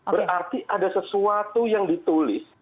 berarti ada sesuatu yang ditulis